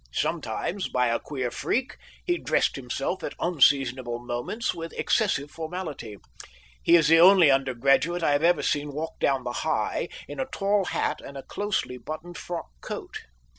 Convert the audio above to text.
Sometimes, by a queer freak, he dressed himself at unseasonable moments with excessive formality. He is the only undergraduate I have ever seen walk down the High in a tall hat and a closely buttoned frock coat.